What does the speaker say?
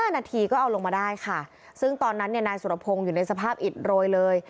นาทีก็เอาลงมาได้ค่ะซึ่งตอนนั้นนายสุรพงศ์อยู่ในสภาพอิดโรยเลย